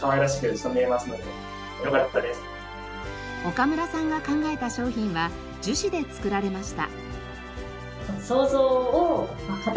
岡村さんが考えた商品は樹脂で作られました。